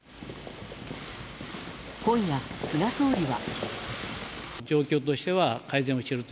今夜、菅総理は。